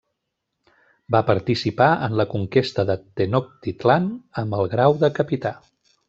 Va participar en la conquesta de Tenochtitlán amb el grau de capità.